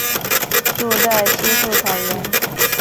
住在稀树草原。